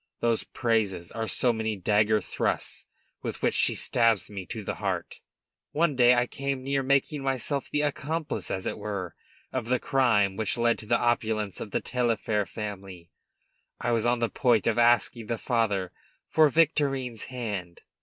Those praises are so many dagger thrusts with which she stabs me to the heart. One day I came near making myself the accomplice, as it were, of the crime which led to the opulence of the Taillefer family. I was on the point of asking the father for Victorine's hand.